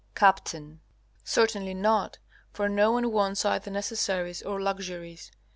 Capt. Certainly not. For no one wants either necessaries or luxuries.